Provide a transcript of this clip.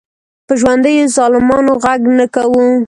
په ژوندیو ظالمانو غږ نه کوو.